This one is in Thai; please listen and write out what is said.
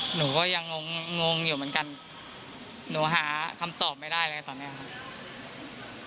หนูก็ยังงงงอยู่เหมือนกันหนูหาคำตอบไม่ได้เลยตอนนี้ครับ